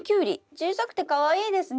小さくてかわいいですね。